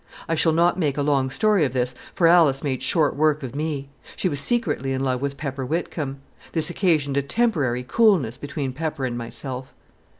I shall not make a long story of this, for Alice made short work of me. She was secretly in love with Pepper Whitcomb. This occasioned a temporary coolness between Pepper and myself.